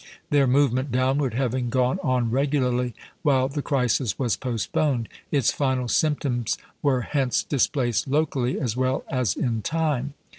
Their movement downward having gone on regularly while the crisis was postponed, its final symptoms were hence displaced locally as well as in time.